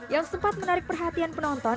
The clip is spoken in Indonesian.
yang sempat menarik perhatian penonton